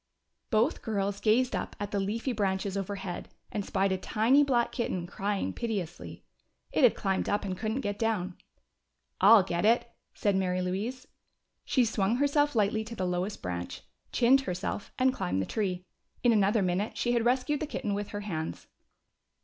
Both girls gazed up at the leafy branches overhead and spied a tiny black kitten crying piteously. It had climbed up and couldn't get down. "I'll get it," said Mary Louise. She swung herself lightly to the lowest branch, chinned herself, and climbed the tree. In another minute she had rescued the kitten with her hands.